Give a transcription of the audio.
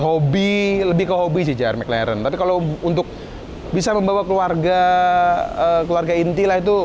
hobi lebih ke hobi sejarah mclaren tapi kalau untuk bisa membawa keluarga keluarga intilah itu